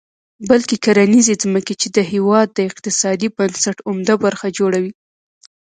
بلکې کرنیزې ځمکې، چې د هېواد د اقتصادي بنسټ عمده برخه جوړوي.